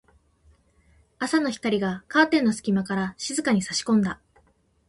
朝の光がカーテンの隙間から静かに差し込んだ。